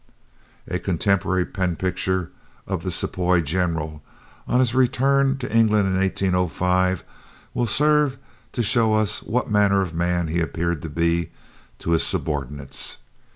A contemporary pen picture of "the Sepoy General," on his return to England in 1805, will serve to show us what manner of man he appeared to be, to his subordinates.